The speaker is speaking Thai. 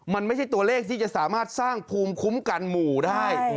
มันไม่ใช่ตัวเลขที่จะสามารถสร้างภูมิคุ้มกันหมู่ได้